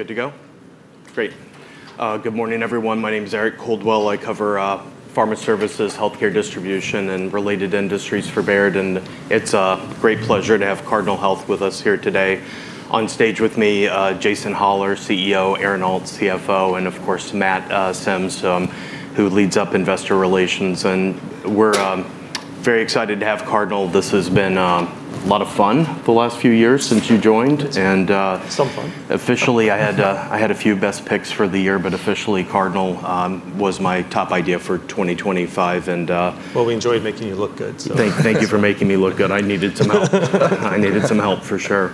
Good to go. Great. Good morning, everyone. My name is Eric Coldwell. I cover pharma services, healthcare distribution, and related industries for Baird. It's a great pleasure to have Cardinal Health with us here today. On stage with me, Jason Hollar, CEO, Aaron Alt, CFO, and of course, Matt Sims, who leads up Investor Relations. We're very excited to have Cardinal. This has been a lot of fun the last few years since you joined. Some fun. Officially, I had a few best picks for the year, but officially, Cardinal Health was my top idea for 2025. We enjoyed making you look good. Thank you for making me look good. I needed some help. I needed some help for sure.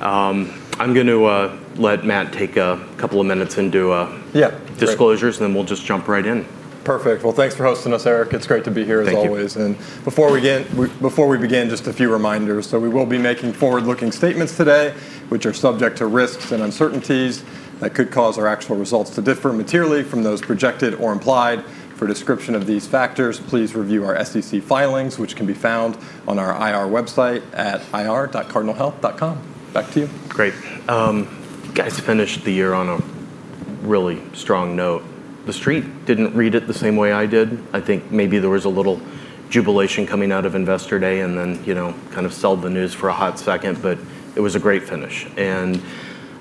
I'm going to let Matt take a couple of minutes and do disclosures, and then we'll just jump right in. Perfect. Thank you for hosting us, Eric. It's great to be here as always. Before we begin, just a few reminders. We will be making forward-looking statements today, which are subject to risks and uncertainties that could cause our actual results to differ materially from those projected or implied. For a description of these factors, please review our SEC filings, which can be found on our IR website at ir.cardinalhealth.com. Back to you. Great. I just finished the year on a really strong note. The Street didn't read it the same way I did. I think maybe there was a little jubilation coming out of Investor Day, and then, you know, kind of sell the news for a hot second, but it was a great finish.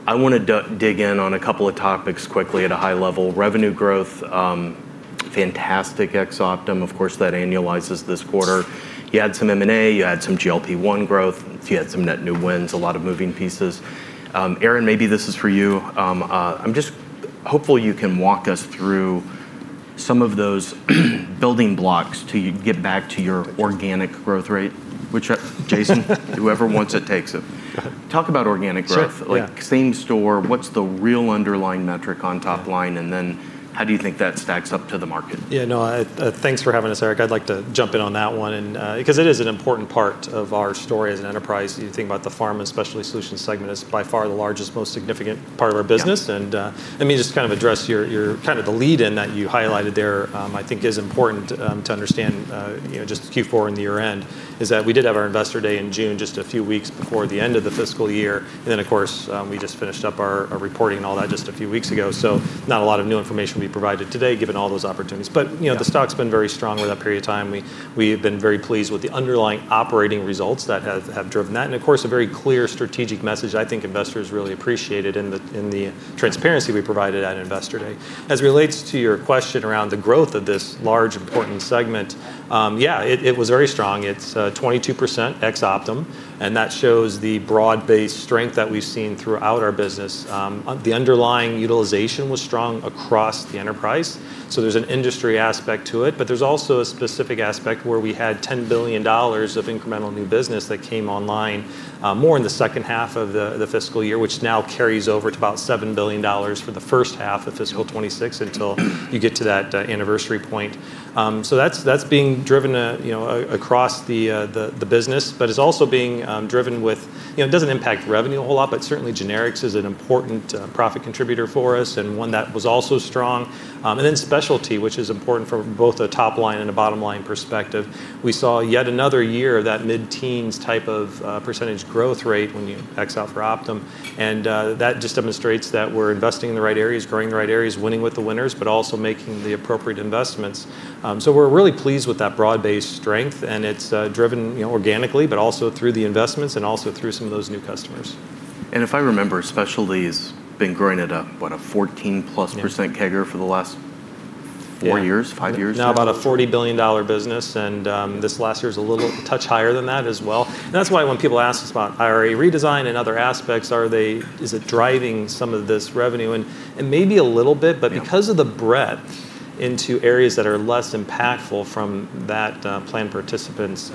I want to dig in on a couple of topics quickly at a high level. Revenue growth, fantastic ex-Optum, of course, that annualizes this quarter. You had some M&A, you had some GLP-1 growth, you had some net new wins, a lot of moving pieces. Aaron, maybe this is for you. I'm just hopeful you can walk us through some of those building blocks to get back to your organic growth rate, which, Jason, whoever wants it, takes it. Talk about organic growth. Like, same store. What's the real underlying metric on top line? How do you think that stacks up to the market? Yeah, no, thanks for having us, Eric. I'd like to jump in on that one because it is an important part of our story as an enterprise. You think about the Pharma Specialty Solutions segment as by far the largest, most significant part of our business. Let me just kind of address your lead-in that you highlighted there. I think it's important to understand, just Q4 and the year-end is that we did have our Investor Day in June, just a few weeks before the end of the fiscal year. Of course, we just finished up our reporting and all that just a few weeks ago. Not a lot of new information we provided today, given all those opportunities. The stock's been very strong over that period of time. We've been very pleased with the underlying operating results that have driven that. A very clear strategic message I think investors really appreciated in the transparency we provided at Investor Day. As it relates to your question around the growth of this large, important segment, yeah, it was very strong. It's 22% ex-Optum. That shows the broad-based strength that we've seen throughout our business. The underlying utilization was strong across the enterprise. There's an industry aspect to it, but there's also a specific aspect where we had $10 billion of incremental new business that came online more in the second half of the fiscal year, which now carries over to about $7 billion for the first half of fiscal 2026 until you get to that anniversary point. That's being driven across the business. It's also being driven with, you know, it doesn't impact revenue a whole lot, but certainly generics is an important profit contributor for us and one that was also strong. Specialty, which is important from both a top line and a bottom line perspective. We saw yet another year of that mid-teens type of percentage growth rate when you ex out for Optum. That just demonstrates that we're investing in the right areas, growing in the right areas, winning with the winners, but also making the appropriate investments. We're really pleased with that broad-based strength. It's driven organically, but also through the investments and also through some of those new customers. If I remember, specialty has been growing at about a 14%+ CAGR for the last four years, five years? Now about a $40 billion business. This last year is a little touch higher than that as well. That is why when people ask us about IRA redesign and other aspects, is it driving some of this revenue? Maybe a little bit, but because of the breadth into areas that are less impactful from that planned participant's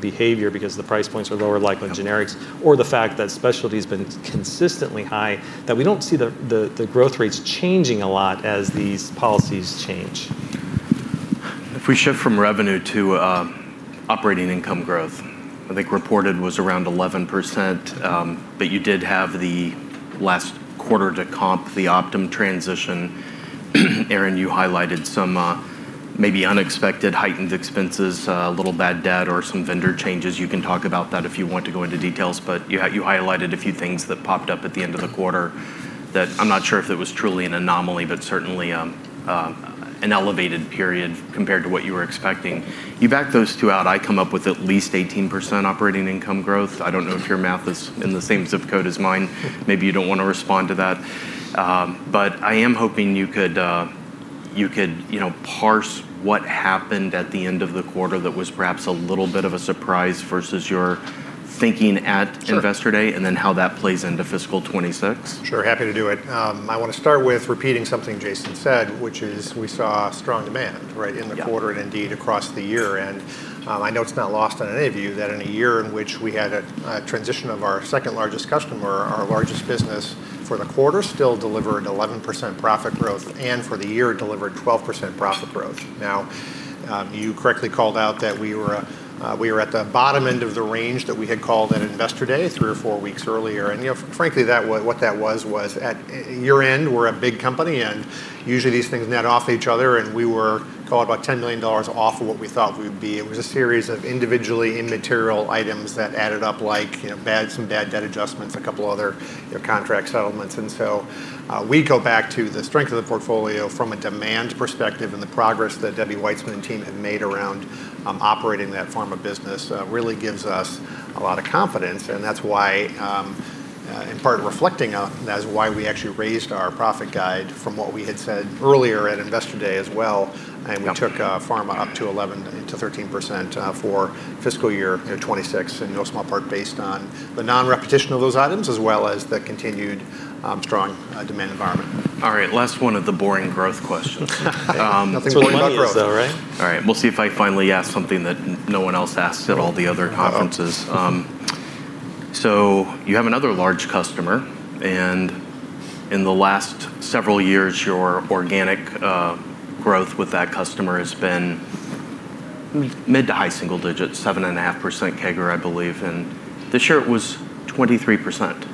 behavior, because the price points are lower, like on generics, or the fact that specialty has been consistently high, we don't see the growth rates changing a lot as these policies change. If we shift from revenue to operating income growth, I think reported was around 11%. You did have the last quarter to comp the Optum transition. Aaron, you highlighted some maybe unexpected heightened expenses, a little bad debt, or some vendor changes. You can talk about that if you want to go into details. You highlighted a few things that popped up at the end of the quarter that I'm not sure if it was truly an anomaly, but certainly an elevated period compared to what you were expecting. You backed those two out. I come up with at least 18% operating income growth. I don't know if your math is in the same zip code as mine. Maybe you don't want to respond to that. I am hoping you could parse what happened at the end of the quarter that was perhaps a little bit of a surprise versus your thinking at Investor Day and then how that plays into fiscal 2026. Sure, happy to do it. I want to start with repeating something Jason said, which is we saw strong demand in the quarter and indeed across the year. I know it's not lost on any of you that in a year in which we had a transition of our second largest customer, our largest business for the quarter still delivered 11% profit growth and for the year delivered 12% profit growth. You correctly called out that we were at the bottom end of the range that we had called at Investor Day three or four weeks earlier. Frankly, what that was at year-end, we're a big company and usually these things net off each other. We were called about $10 million off of what we thought we'd be. It was a series of individually immaterial items that added up like bads and bad debt adjustments, a couple of other contract settlements. We go back to the strength of the portfolio from a demand perspective and the progress that Deborah Weitzman and team had made around operating that pharma business really gives us a lot of confidence. That's why, in part reflecting on that, is why we actually raised our profit guide from what we had said earlier at Investor Day as well and took pharma up to 11%-13% for fiscal year 2026, in no small part based on the non-repetition of those items as well as the continued strong demand environment. All right, last one of the boring growth questions. Nothing's boring about growth, though, right? All right, I'll see if I finally ask something that no one else asks at all the other conferences. You have another large customer. In the last several years, your organic growth with that customer has been mid to high single digits, 7.5% CAGR, I believe. This year it was 23%.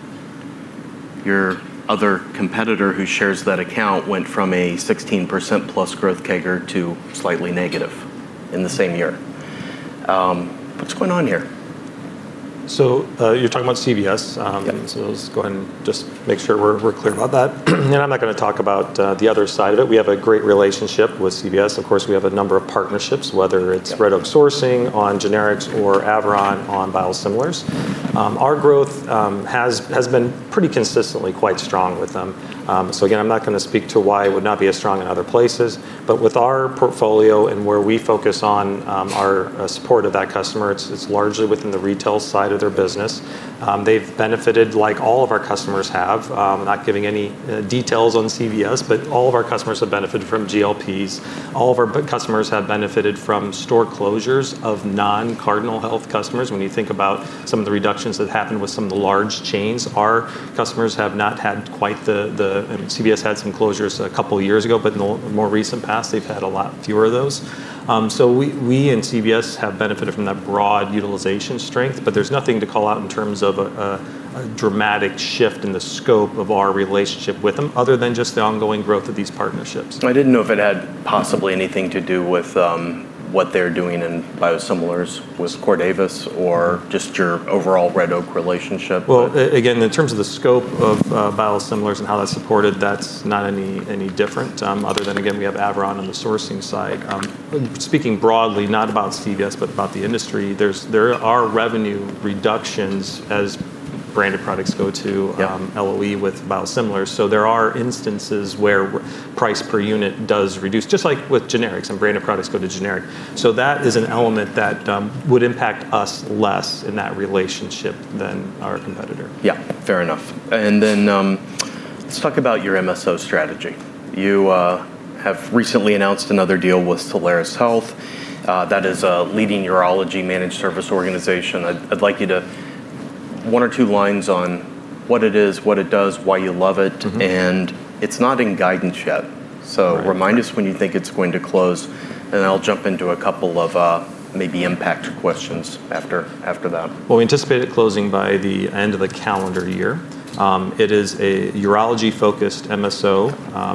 Your other competitor who shares that account went from a 16%+ growth CAGR to slightly negative in the same year. What's going on here? You're talking about CVS. Let's go ahead and just make sure we're clear about that. I'm not going to talk about the other side of it. We have a great relationship with CVS. Of course, we have a number of partnerships, whether it's Red Oak Sourcing on generics or Aviron on biosimilars. Our growth has been pretty consistently quite strong with them. I'm not going to speak to why it would not be as strong in other places. With our portfolio and where we focus on our support of that customer, it's largely within the retail side of their business. They've benefited like all of our customers have. I'm not giving any details on CVS, but all of our customers have benefited from GLPs. All of our customers have benefited from store closures of non-Cardinal Health customers. When you think about some of the reductions that happened with some of the large chains, our customers have not had quite the, I mean, CVS had some closures a couple of years ago, but in the more recent past, they've had a lot fewer of those. We and CVS have benefited from that broad utilization strength, but there's nothing to call out in terms of a dramatic shift in the scope of our relationship with them other than just the ongoing growth of these partnerships. I didn't know if it had possibly anything to do with what they're doing in biosimilars, was Cordavis or just your overall Red Oak relationship? In terms of the scope of biosimilars and how that's supported, that's not any different other than, again, we have Aviron on the sourcing side. Speaking broadly, not about CVS Health, but about the industry, there are revenue reductions as branded products go to LOE with biosimilars. There are instances where price per unit does reduce, just like with generics, and branded products go to generic. That is an element that would impact us less in that relationship than our competitor. Yeah, fair enough. Let's talk about your MSO strategy. You have recently announced another deal with Solaris Health. That is a leading urology managed service organization. I'd like you to, in one or two lines, say what it is, what it does, why you love it, and it's not in guidance yet. Remind us when you think it's going to close. I'll jump into a couple of maybe impact questions after that. We anticipate it closing by the end of the calendar year. It is a urology-focused MSO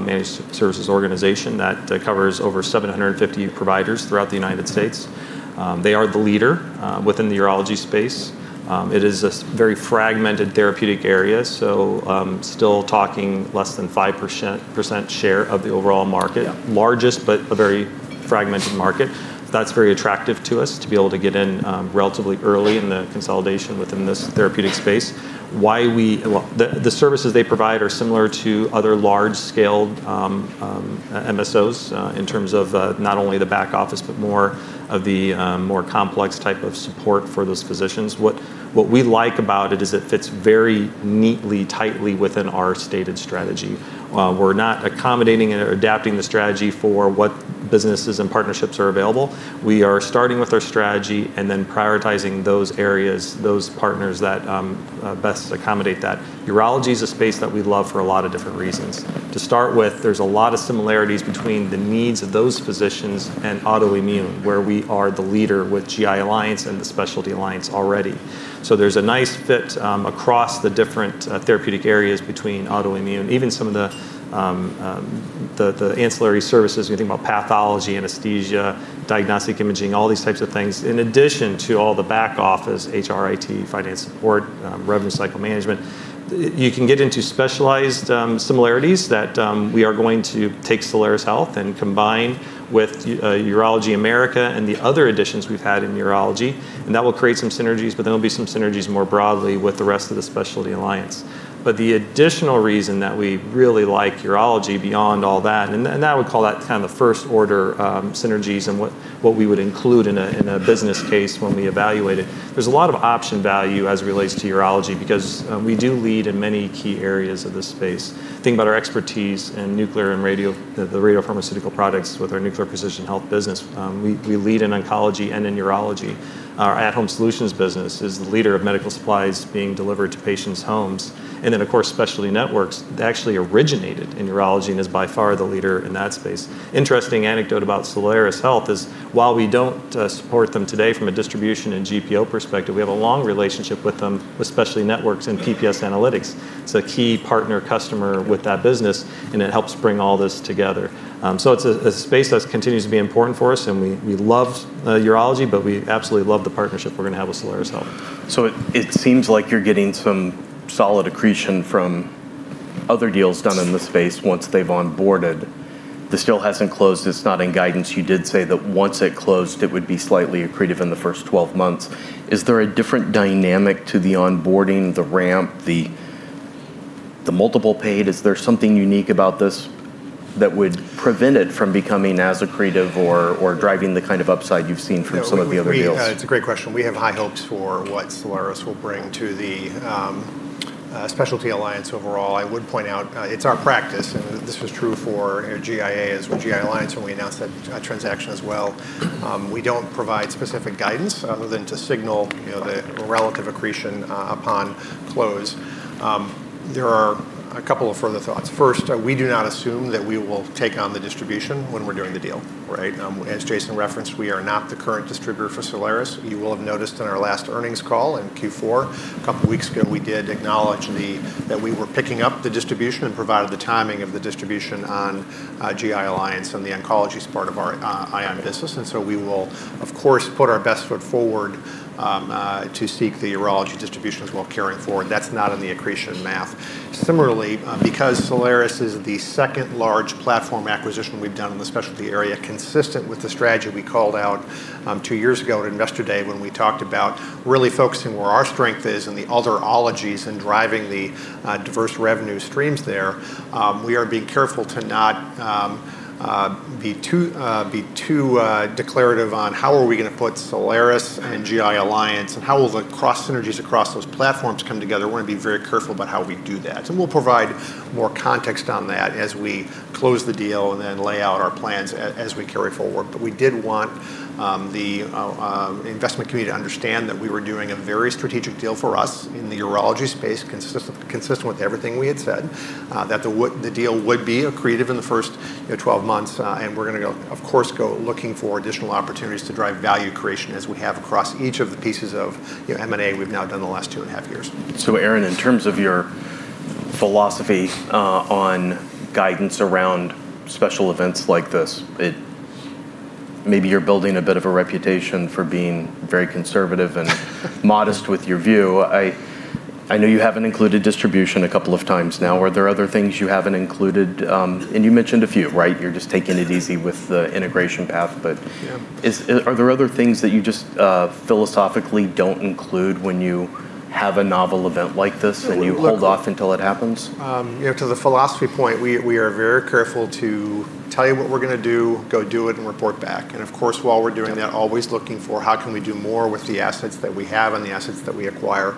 managed service organization that covers over 750 providers throughout the United States. They are the leader within the urology space. It is a very fragmented therapeutic area, still talking less than 5% share of the overall market, largest but a very fragmented market. That is very attractive to us to be able to get in relatively early in the consolidation within this therapeutic space. Why we? The services they provide are similar to other large-scale MSOs in terms of not only the back office, but more of the more complex type of support for those physicians. What we like about it is it fits very neatly, tightly within our stated strategy. We are not accommodating and adapting the strategy for what businesses and partnerships are available. We are starting with our strategy and then prioritizing those areas, those partners that best accommodate that. Urology is a space that we love for a lot of different reasons. To start with, there are a lot of similarities between the needs of those physicians and autoimmune, where we are the leader with GI Alliance and the Specialty Alliance already. There is a nice fit across the different therapeutic areas between autoimmune, even some of the ancillary services. You think about pathology, anesthesia, diagnostic imaging, all these types of things. In addition to all the back office, HR, IT, finance, support, revenue cycle management, you can get into specialized similarities that we are going to take Solaris Health and combine with Urology America and the other additions we have had in urology. That will create some synergies, but there will be some synergies more broadly with the rest of the Specialty Alliance. The additional reason that we really like urology beyond all that, and I would call that kind of the first order synergies and what we would include in a business case when we evaluate it, there is a lot of option value as it relates to urology because we do lead in many key areas of the space. Think about our expertise in nuclear and the radiopharmaceutical products with our Nuclear & Precision Health Solutions business. We lead in oncology and in urology. Our At-Home Solutions business is the leader of medical supplies being delivered to patients' homes. Of course, Specialty Networks actually originated in urology and is by far the leader in that space. An interesting anecdote about Solaris Health is while we do not support them today from a distribution and GPO perspective, we have a long relationship with them with Specialty Networks and TPS Analytics. It is a key partner customer with that business, and it helps bring all this together. It is a space that continues to be important for us, and we love urology, but we absolutely love the partnership we are going to have with Solaris Health. It seems like you're getting some solid accretion from other deals done in the space once they've onboarded. This deal hasn't closed. It's not in guidance. You did say that once it closed, it would be slightly accretive in the first 12 months. Is there a different dynamic to the onboarding, the ramp, the multiple paid? Is there something unique about this that would prevent it from becoming as accretive or driving the kind of upside you've seen from some of the other deals? It's a great question. We have high hopes for what Solaris will bring to the Specialty Alliance overall. I would point out it's our practice, and this was true for GI Alliance when we announced that transaction as well. We don't provide specific guidance other than to signal the relative accretion upon close. There are a couple of further thoughts. First, we do not assume that we will take on the distribution when we're doing the deal. As Jason referenced, we are not the current distributor for Solaris. You will have noticed in our last earnings call in Q4, a couple of weeks ago, we did acknowledge that we were picking up the distribution and provided the timing of the distribution on GI Alliance and the oncology part of our ION business. We will, of course, put our best foot forward to seek the urology distributions while carrying forward. That's not in the accretion math. Similarly, because Solaris is the second large platform acquisition we've done in the specialty area, consistent with the strategy we called out two years ago at Investor Day when we talked about really focusing where our strength is and the other Ologies and driving the diverse revenue streams there, we are being careful to not be too declarative on how we are going to put Solaris and GI Alliance and how will the cross synergies across those platforms come together. We want to be very careful about how we do that. We'll provide more context on that as we close the deal and then lay out our plans as we carry forward. We did want the investment community to understand that we were doing a very strategic deal for us in the urology space, consistent with everything we had said, that the deal would be accretive in the first 12 months. We're going to, of course, go looking for additional opportunities to drive value creation as we have across each of the pieces of M&A we've now done the last two and a half years. Aaron, in terms of your philosophy on guidance around special events like this, maybe you're building a bit of a reputation for being very conservative and modest with your view. I know you haven't included distribution a couple of times now. Are there other things you haven't included? You mentioned a few, right? You're just taking it easy with the integration path. Are there other things that you just philosophically don't include when you have a novel event like this and you hold off until it happens? To the philosophy point, we are very careful to tell you what we're going to do, go do it, and report back. Of course, while we're doing that, always looking for how can we do more with the assets that we have and the assets that we acquire.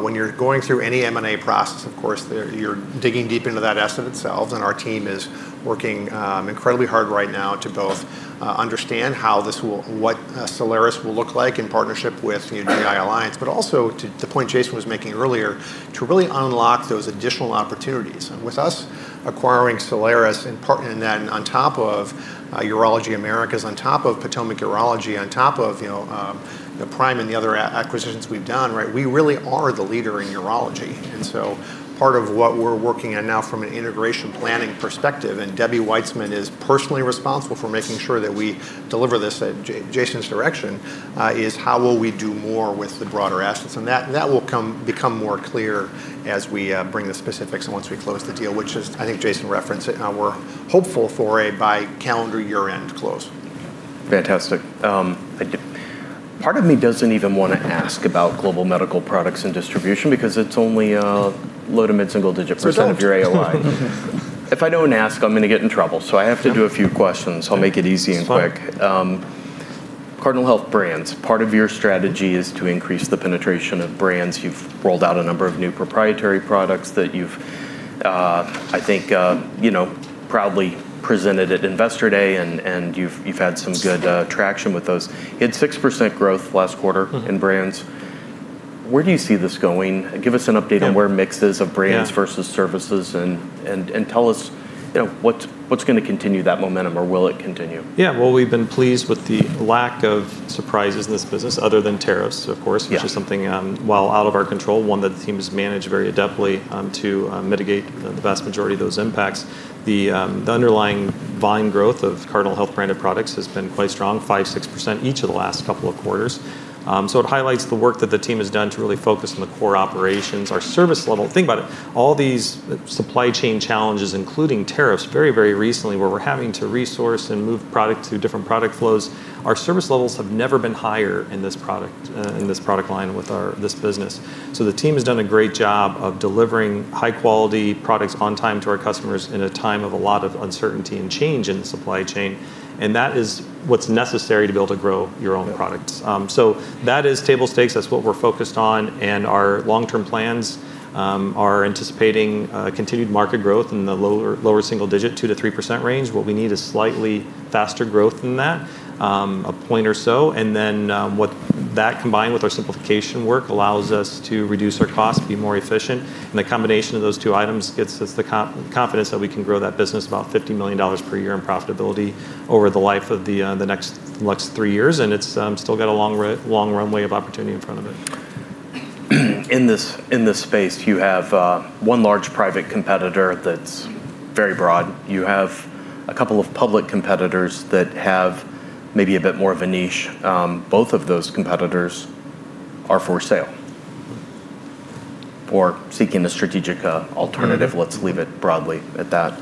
When you're going through any M&A process, of course, you're digging deep into that asset itself. Our team is working incredibly hard right now to both understand how this will, what Solaris will look like in partnership with GI Alliance, but also to the point Jason was making earlier, to really unlock those additional opportunities. With us acquiring Solaris and partnering that on top of Urology America, on top of Potomac Urology, on top of Prime and the other acquisitions we've done, right, we really are the leader in urology. Part of what we're working on now from an integration planning perspective, and Deborah Weitzman is personally responsible for making sure that we deliver this at Jason's direction, is how will we do more with the broader assets. That will become more clear as we bring the specifics once we close the deal, which is, I think Jason referenced, we're hopeful for it by calendar year-end close. Fantastic. Part of me doesn't even want to ask about global medical products and distribution because it's only a low to mid-single-digit percent of your adjusted operating income. If I don't ask, I'm going to get in trouble. I have to do a few questions. I'll make it easy and quick. Cardinal Health branded products, part of your strategy is to increase the penetration of brands. You've rolled out a number of new proprietary products that you've, I think, you know, proudly presented at Investor Day, and you've had some good traction with those. You had 6% growth last quarter in brands. Where do you see this going? Give us an update on where mix is of brands versus services and tell us, you know, what's going to continue that momentum or will it continue? Yeah, we've been pleased with the lack of surprises in this business other than tariffs, of course, which is something well out of our control, one that the team has managed very adeptly to mitigate the vast majority of those impacts. The underlying volume growth of Cardinal Health branded products has been quite strong, 5%, 6% each of the last couple of quarters. It highlights the work that the team has done to really focus on the core operations. Our service level, think about it, all these supply chain challenges, including tariffs, very, very recently where we're having to resource and move product to different product flows, our service levels have never been higher in this product line with this business. The team has done a great job of delivering high-quality products on time to our customers in a time of a lot of uncertainty and change in the supply chain. That is what's necessary to be able to grow your own products. That is table stakes. That's what we're focused on. Our long-term plans are anticipating continued market growth in the lower single-digit, 2%-3% range. What we need is slightly faster growth than that, a point or so. What that combined with our simplification work allows us to reduce our costs, be more efficient. The combination of those two items gives us the confidence that we can grow that business about $50 million per year in profitability over the life of the next three years. It's still got a long runway of opportunity in front of it. In this space, you have one large private competitor that's very broad. You have a couple of public competitors that have maybe a bit more of a niche. Both of those competitors are for sale or seeking a strategic alternative. Let's leave it broadly at that.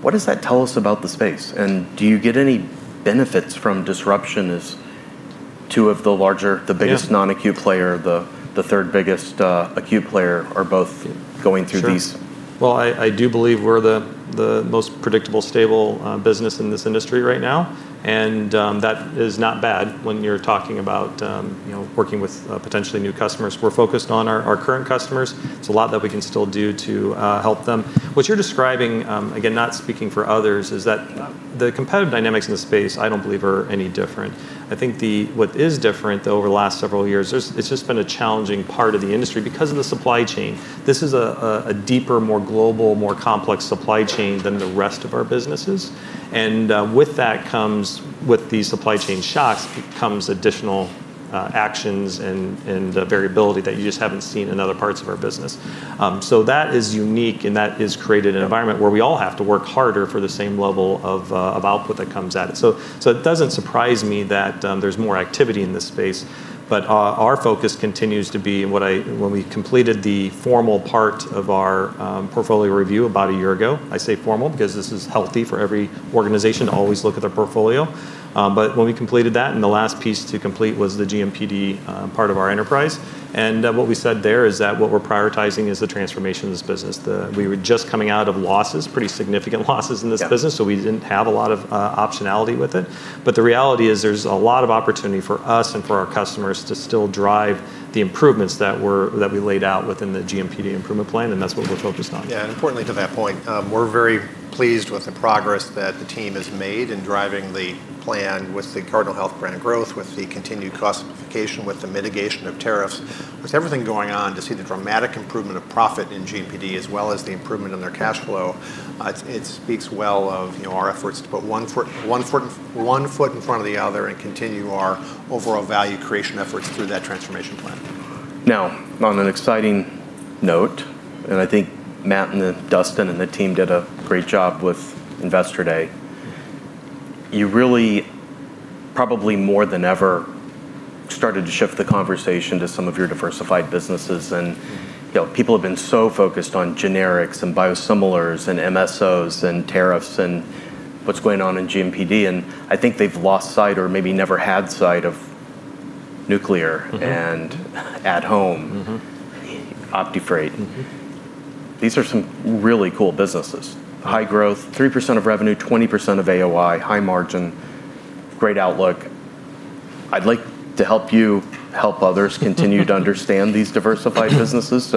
What does that tell us about the space? Do you get any benefits from disruption as two of the larger, the biggest non-acute player, the third biggest acute player are both going through these? I do believe we're the most predictable, stable business in this industry right now. That is not bad when you're talking about working with potentially new customers. We're focused on our current customers. It's a lot that we can still do to help them. What you're describing, again, not speaking for others, is that the competitive dynamics in the space, I don't believe, are any different. I think what is different over the last several years is it's just been a challenging part of the industry because of the supply chain. This is a deeper, more global, more complex supply chain than the rest of our businesses. With the supply chain shocks comes additional actions and variability that you just haven't seen in other parts of our business. That is unique, and that has created an environment where we all have to work harder for the same level of output that comes at it. It doesn't surprise me that there's more activity in this space. Our focus continues to be when we completed the formal part of our portfolio review about a year ago. I say formal because this is healthy for every organization to always look at their portfolio. When we completed that, and the last piece to complete was the GMPD part of our enterprise. What we said there is that what we're prioritizing is the transformation of this business. We were just coming out of losses, pretty significant losses in this business. We didn't have a lot of optionality with it. The reality is there's a lot of opportunity for us and for our customers to still drive the improvements that we laid out within the GMPD improvement plan. That's what we're focused on. Yeah, and importantly to that point, we're very pleased with the progress that the team has made in driving the plan with the Cardinal Health brand growth, with the continued cost simplification, with the mitigation of tariffs, with everything going on to see the dramatic improvement of profit in GMPD as well as the improvement in their cash flow. It speaks well of our efforts to put one foot in front of the other and continue our overall value creation efforts through that transformation plan. On an exciting note, I think Matt and Dustin and the team did a great job with Investor Day. You really probably more than ever started to shift the conversation to some of your diversified businesses. People have been so focused on generics and biosimilars and MSOs and tariffs and what's going on in GMPD. I think they've lost sight or maybe never had sight of nuclear and at-home OptiFreight®. These are some really cool businesses. High growth, 3% of revenue, 20% of adjusted operating income, high margin, great outlook. I'd like to help you help others continue to understand these diversified businesses.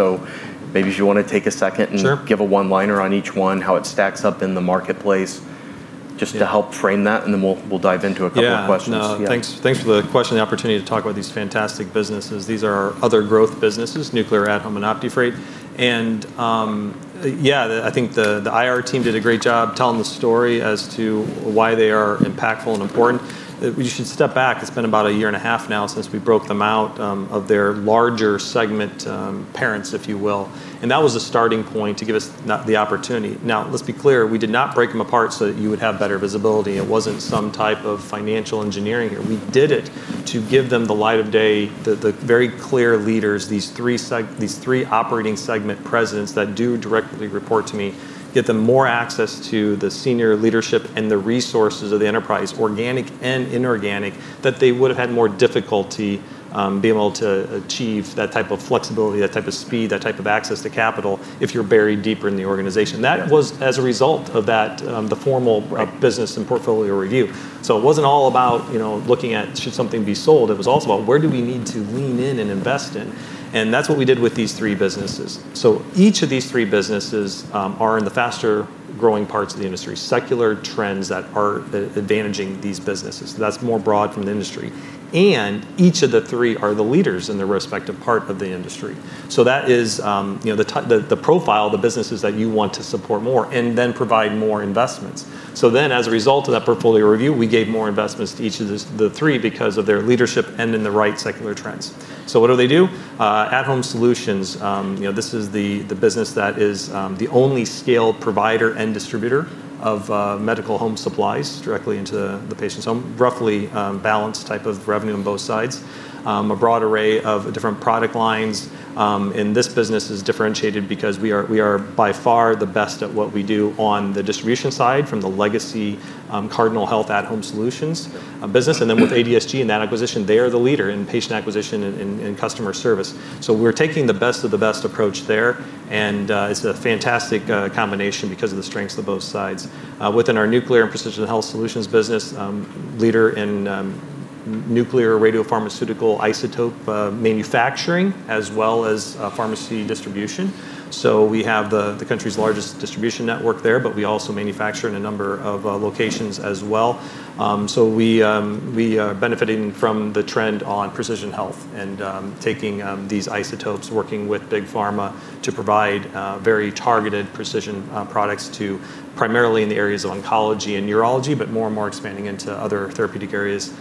Maybe if you want to take a second and give a one-liner on each one, how it stacks up in the marketplace, just to help frame that. We'll dive into a couple of questions. Yeah, thanks for the question and opportunity to talk about these fantastic businesses. These are our other growth businesses, Nuclear & Precision Health Solutions, At-Home Solutions, and OptiFreight® Logistics. I think the IR team did a great job telling the story as to why they are impactful and important. You should step back. It's been about a year and a half now since we broke them out of their larger segment parents, if you will. That was a starting point to give us the opportunity. Now, let's be clear, we did not break them apart so that you would have better visibility. It wasn't some type of financial engineering here. We did it to give them the light of day, the very clear leaders, these three operating segment presidents that do directly report to me, get them more access to the senior leadership and the resources of the enterprise, organic and inorganic, that they would have had more difficulty being able to achieve that type of flexibility, that type of speed, that type of access to capital if you're buried deeper in the organization. That was as a result of that, the formal business and portfolio review. It wasn't all about looking at should something be sold. It was also about where do we need to lean in and invest in. That's what we did with these three businesses. Each of these three businesses are in the faster growing parts of the industry, secular trends that are advantaging these businesses. That's more broad from the industry. Each of the three are the leaders in their respective part of the industry. That is the profile of the businesses that you want to support more and then provide more investments. As a result of that portfolio review, we gave more investments to each of the three because of their leadership and in the right secular trends. What do they do? At-Home Solutions, this is the business that is the only scaled provider and distributor of medical home supplies directly into the patient's home, roughly balanced type of revenue on both sides. A broad array of different product lines. This business is differentiated because we are by far the best at what we do on the distribution side from the legacy Cardinal Health At-Home Solutions business. With ADSG and that acquisition, they are the leader in patient acquisition and customer service. We're taking the best of the best approach there. It's a fantastic combination because of the strengths of both sides. Within our Nuclear & Precision Health Solutions business, leader in nuclear radiopharmaceutical isotope manufacturing, as well as pharmacy distribution. We have the country's largest distribution network there, but we also manufacture in a number of locations as well. We are benefiting from the trend on precision health and taking these isotopes, working with big pharma to provide very targeted precision products to primarily in the areas of oncology and urology, but more and more expanding into other therapeutic areas.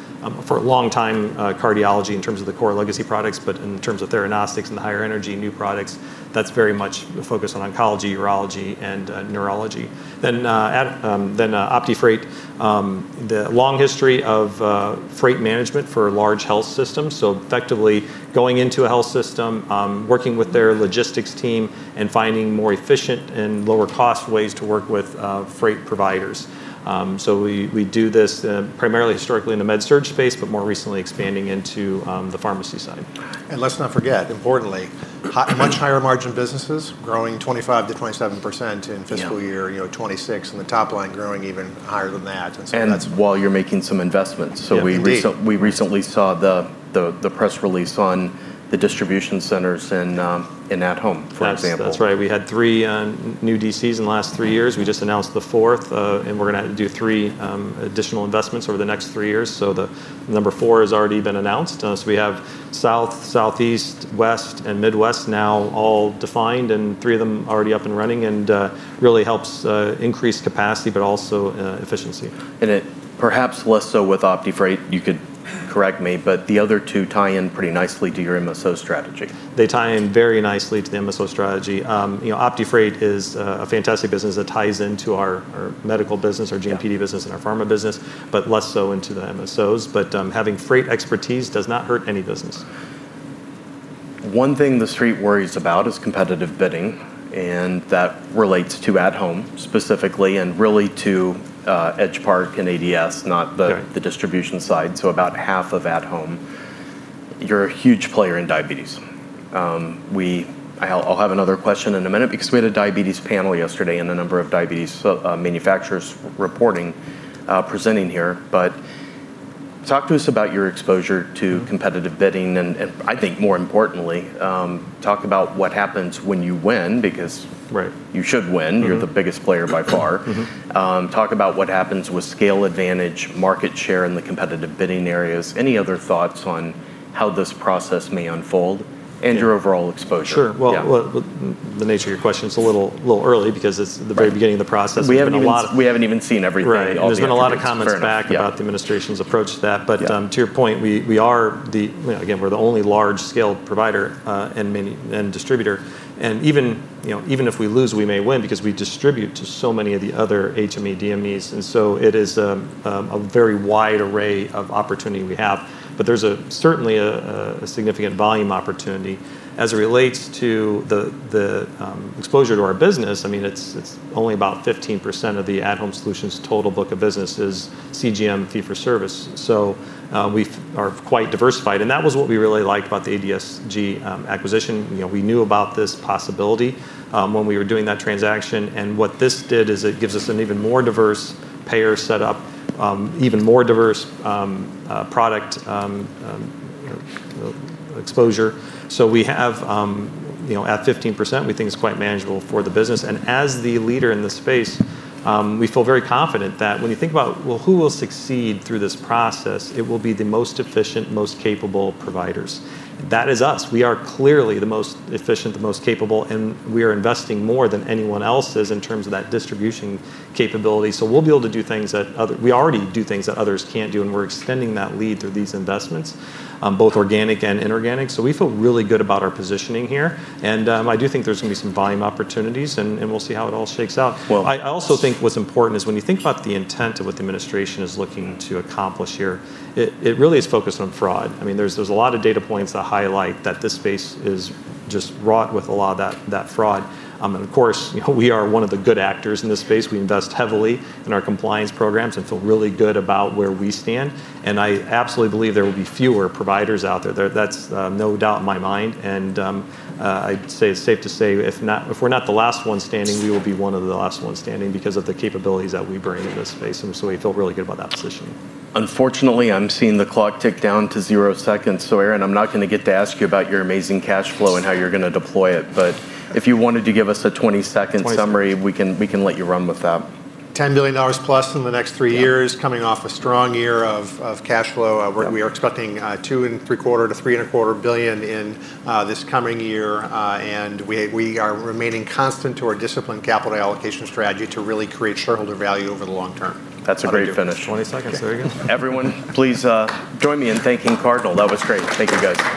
For a long time, cardiology in terms of the core legacy products, but in terms of Theranostics and the higher energy new products, that's very much focused on oncology, urology, and neurology. OptiFreight® t Logistics, the long history of freight management for large health systems, effectively goes into a health system, working with their logistics team, and finding more efficient and lower cost ways to work with freight providers. We do this primarily historically in the med-surg space, but more recently expanding into the pharmacy side. Let's not forget, importantly, much higher margin businesses growing 25%-27% in fiscal 2026, 26% in the top line, growing even higher than that. That's while you're making some investments. We recently saw the press release on the distribution centers in at-home, for example. That's right. We had three new DCs in the last three years. We just announced the fourth, and we're going to do three additional investments over the next three years. The number four has already been announced. We have south, southeast, west, and Midwest now all defined, and three of them are already up and running. It really helps increase capacity, but also efficiency. Perhaps less so with OptiFreight®, you could correct me, but the other two tie in pretty nicely to your MSO strategy. They tie in very nicely to the MSO strategy. OptiFreight® Logistics is a fantastic business that ties into our medical business, our GMPD business, and our pharma business, but less so into the MSOs. Having freight expertise does not hurt any business. One thing the street worries about is competitive bidding, and that relates to at-home specifically and really to Edgepark and ADSG, not the distribution side. About half of at-home. You're a huge player in diabetes. I'll have another question in a minute because we had a diabetes panel yesterday and a number of diabetes manufacturers reporting presenting here. Talk to us about your exposure to competitive bidding, and I think more importantly, talk about what happens when you win, because you should win. You're the biggest player by far. Talk about what happens with scale advantage, market share in the competitive bidding areas. Any other thoughts on how this process may unfold and your overall exposure? Sure. The nature of your question, it's a little early because it's the very beginning of the process. We haven't even seen everything. There's been a lot of comments back about the administration's approach to that. To your point, we are the, again, we're the only large-scale provider and distributor. Even if we lose, we may win because we distribute to so many of the other HME, DMEs. It is a very wide array of opportunity we have. There's certainly a significant volume opportunity. As it relates to the exposure to our business, it's only about 15% of the At-Home Solutions total book of business's CGM fee-for-service. We are quite diversified. That was what we really liked about the ADSG acquisition. We knew about this possibility when we were doing that transaction. What this did is it gives us an even more diverse payer setup, even more diverse product exposure. At 15%, we think it's quite manageable for the business. As the leader in this space, we feel very confident that when you think about, well, who will succeed through this process, it will be the most efficient, most capable providers. That is us. We are clearly the most efficient, the most capable, and we are investing more than anyone else is in terms of that distribution capability. We'll be able to do things, we already do things that others can't do, and we're extending that lead through these investments, both organic and inorganic. We feel really good about our positioning here. I do think there's going to be some volume opportunities, and we'll see how it all shakes out. I also think what's important is when you think about the intent of what the administration is looking to accomplish here, it really is focused on fraud. There's a lot of data points that highlight that this space is just wrought with a lot of that fraud. Of course, we are one of the good actors in this space. We invest heavily in our compliance programs and feel really good about where we stand. I absolutely believe there will be fewer providers out there. That's no doubt in my mind. I'd say it's safe to say if we're not the last one standing, we will be one of the last ones standing because of the capabilities that we bring to this space. We feel really good about that position. Unfortunately, I'm seeing the clock tick down to zero seconds. Aaron, I'm not going to get to ask you about your amazing cash flow and how you're going to deploy it. If you wanted to give us a 20-second summary, we can let you run with that. $10 billion plus in the next three years, coming off a strong year of cash flow. We are expecting $2.75 billion to $3.25 billion in this coming year. We are remaining constant to our disciplined capital allocation strategy to really create shareholder value over the long term. That's a great finish. Twenty seconds, there you go. Everyone, please join me in thanking Cardinal Health. That was great. Thank you, guys.